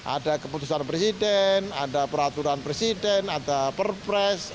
ada keputusan presiden ada peraturan presiden ada perpres